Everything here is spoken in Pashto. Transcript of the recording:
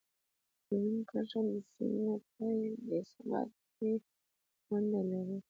ډیورنډ کرښه د سیمې په بې ثباتۍ کې ونډه لري.